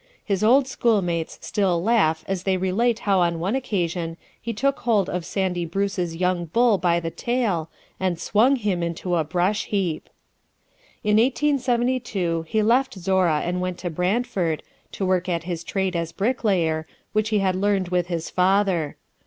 His old schoolmates still laugh as they relate how on one occasion he took hold of Sandy Bruce's young bull by the tail, and swung him into a brush heap. In 1872 he left Zorra and went to Brantford, to work at his trade as bricklayer, which he had learned with his father.